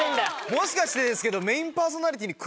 もしかしてですけど。